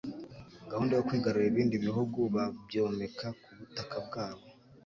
Gahunda yo kwigarurira ibindi bihugu babyomeka ku butaka bwabo